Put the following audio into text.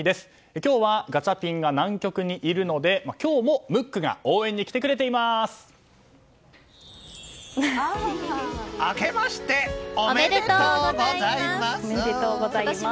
今日はガチャピンが南極にいるので今日もムックが応援に来てくれています。